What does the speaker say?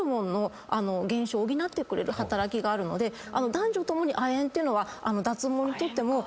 男女共に亜鉛っていうのは脱毛にとっても髪の。